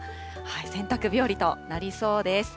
洗濯日和となりそうです。